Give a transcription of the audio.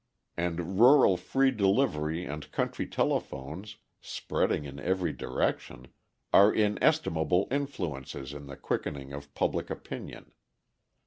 And rural free delivery and country telephones, spreading in every direction, are inestimable influences in the quickening of public opinion.